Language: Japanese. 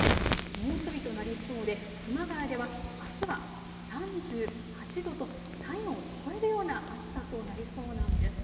猛暑日となりそうで熊谷ではあすは３８度と体温を超えるような暑さとなりそうなんです。